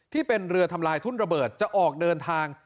ที่เป็นเรือทำลายทุ่นระเบิดจะออกเดินทาง